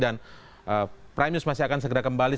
dan prime news masih akan segera kembali